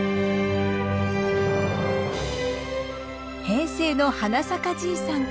平成の花咲かじいさん